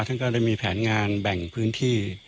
และก็ให้มีแผนงานแบ่งพื้นที่